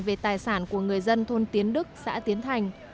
về tài sản của người dân thôn tiến đức xã tiến thành